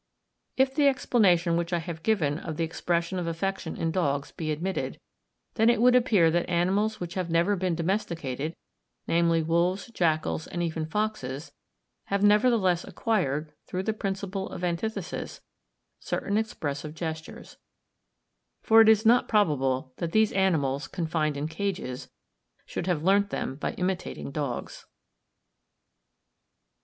If the explanation which I have given of the expression of affection in dogs be admitted, then it would appear that animals which have never been domesticated—namely wolves, jackals, and even foxes—have nevertheless acquired, through the principle of antithesis, certain expressive gestures; for it is not probable that these animals, confined in cages, should have learnt them by imitating dogs.